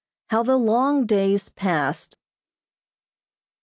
HOW THE LONG DAYS PASSED.